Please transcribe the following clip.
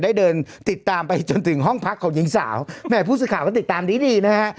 ได้เดินติดตามไปจนถึงห้องพักของหญิงสาวแม่ผู้สื่อข่าวก็ติดตามดีดีนะฮะ